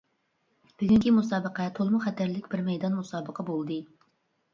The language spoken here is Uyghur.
بۈگۈنكى مۇسابىقە تولىمۇ خەتەرلىك بىر مەيدان مۇسابىقە بولدى.